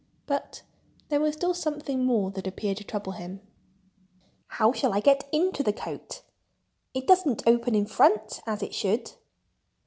But there was still something more that appeared to trouble him. "How shall I get into the coat?" he inquired. "It doesn't open in front, as it should."